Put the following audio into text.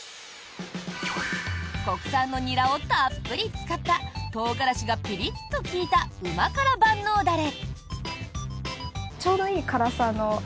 国産のニラをたっぷり使ったトウガラシがピリッと利いたうま辛万能ダレ。